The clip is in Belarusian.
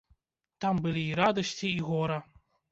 Там былі і радасці і гора.